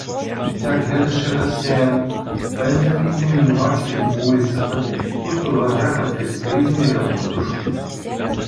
Тя гледаше разсеяно, без да види минувачите по улицата, които вървяха безгрижно и равнодушно.